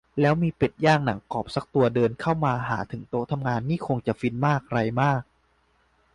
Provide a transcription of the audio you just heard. แล้วมีเป็ดย่างหนังกรอบซักตัวเดินเข้ามาหาถึงโต๊ะทำงานนี่คงจะฟินมากไรมาก